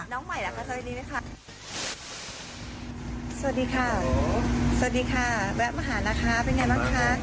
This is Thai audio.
สวัสดีค่ะสวัสดีค่ะแวะมาหานะคะเป็นไงบ้างคะ